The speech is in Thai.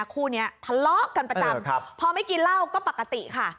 คู่นี้ทะเลาะกันประจำพอไม่กินเหล้าก็ปกติค่ะ